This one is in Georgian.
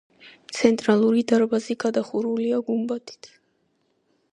ცენტრალური დარბაზი გადახურულია გუმბათით.